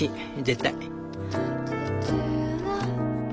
絶対」。